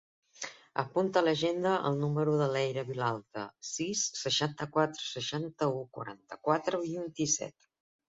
Apunta a l'agenda el número de l'Eira Villalta: sis, seixanta-quatre, seixanta-u, quaranta-quatre, vint-i-set.